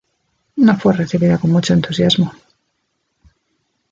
No fue recibido con mucho entusiasmo.